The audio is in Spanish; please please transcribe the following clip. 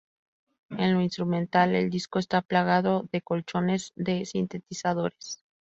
En lo instrumental, el disco está plagado de colchones de sintetizadores.